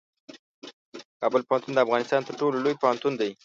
کابل پوهنتون د افغانستان تر ټولو لوی پوهنتون دی.